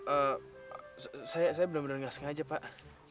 eh saya benar benar nggak sengaja pak